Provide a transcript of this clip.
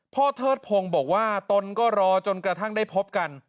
เทิดพงศ์บอกว่าตนก็รอจนกระทั่งได้พบกัน